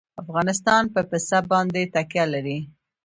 افغانستان په پسه باندې تکیه لري.